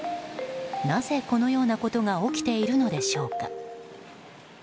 なぜ、このようなことが起きているのでしょうか。